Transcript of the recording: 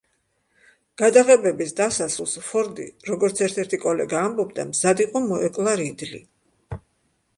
გადაღებების დასასრულს ფორდი, როგორც ერთ-ერთი კოლეგა ამბობდა, მზად იყო, მოეკლა რიდლი.